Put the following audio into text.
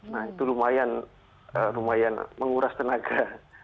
nah itu lumayan menguras tenaga